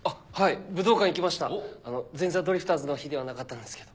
前座ドリフターズの日ではなかったんですけど。